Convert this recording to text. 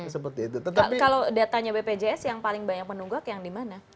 kalau datanya bpjs yang paling banyak menunggak yang di mana